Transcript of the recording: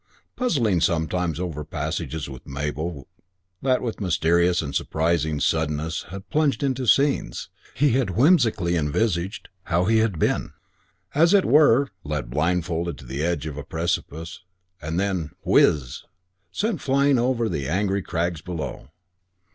Puzzling sometimes over passages with Mabel that with mysterious and surprising suddenness had plunged into scenes, he had whimsically envisaged how he had been, as it were, led blindfolded to the edge of a precipice, and then, whizz! sent flying over on to the angry crags below.